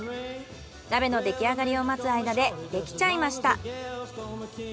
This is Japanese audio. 鍋の出来上がりを待つ間で出来ちゃいました。